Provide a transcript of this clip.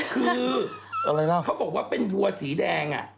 คือเขาบอกว่าเป็นวัวสีแดง